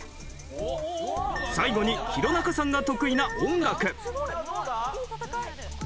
最後に弘中さんが得意な音楽。